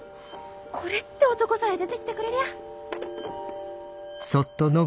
コレって男さえ出てきてくれりゃ。